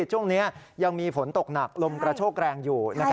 ช่วงนี้ยังมีฝนตกหนักลมกระโชกแรงอยู่